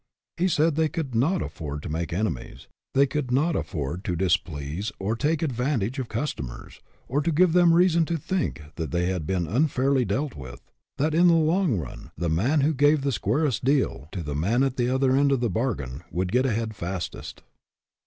He said they could not afford to make enemies; they could not afford to displease or to take advantage of customers, or to give them reason to think that they had been unfairly dealt with, that, in the long run, the man who gave the squarest deal to the man I 4 o STAND FOR SOMETHING at the other end of the bargain would get ahead fastest.